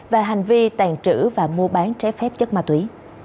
và hành vi tàn trữ và mua bán trái phép chất ma túy